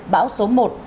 bão số một